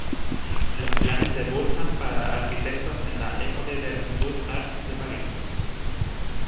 Los planes de Burnham para arquitectos en la École des Beaux-Arts de París.